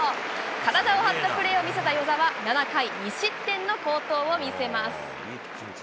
体を張ったプレーを見せた與座は、７回２失点の好投を見せます。